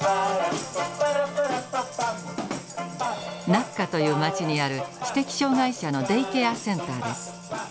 ナッカという街にある知的障害者のデイケアセンターです。